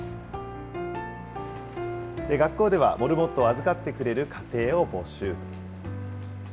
学校ではモルモットを預かってくれる家庭を募集。